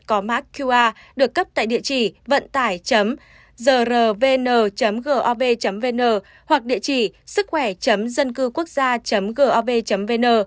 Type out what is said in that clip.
có mã qr được cấp tại địa chỉ vận tải grvn gov vn hoặc địa chỉ sức khỏe dân cư quốc gia gov vn